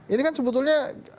ini kan sebetulnya